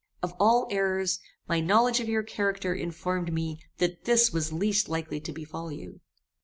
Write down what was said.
Of all errors, my knowledge of your character informed me that this was least likely to befall you.